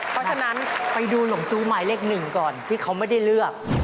เพราะฉะนั้นไปดูหลงจู้หมายเลขหนึ่งก่อนที่เขาไม่ได้เลือก